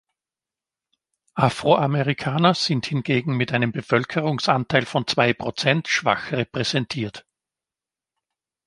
Afroamerikaner sind hingegen mit einem Bevölkerungsanteil von zwei Prozent schwach repräsentiert.